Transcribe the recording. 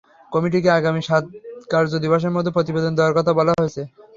কমিটিকে আগামী সাত কার্য দিবসের মধ্যে প্রতিবেদন দেওয়ার কথা বলা হয়েছে।